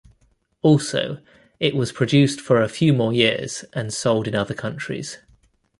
Also, it was produced for a few more years and sold in other countries.